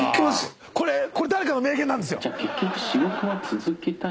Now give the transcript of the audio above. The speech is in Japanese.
これこれ誰かの名言なんですよ。